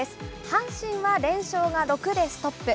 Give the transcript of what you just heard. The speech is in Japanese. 阪神は連勝が６でストップ。